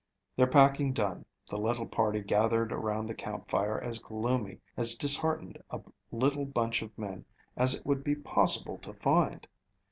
Their packing done, the little party gathered around the campfire as gloomy and disheartened a little bunch of men as it would be possible to find.